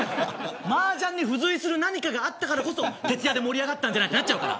マージャンに付随する何かがあったからこそ徹夜で盛り上がったんじゃないってなっちゃうから。